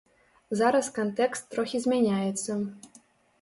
Зараз кантэкст трохі змяняецца.